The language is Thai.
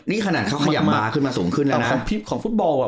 นี่ขนาดเขาขยับมาขึ้นมาสูงขึ้นแล้วนะของฟุตบอลอ่ะ